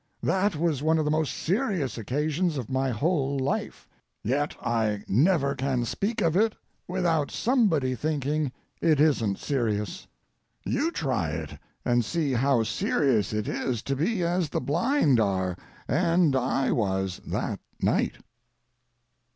That was one of the most serious occasions of my whole life, yet I never can speak of it without somebody thinking it isn't serious. You try it and see how serious it is to be as the blind are and I was that night.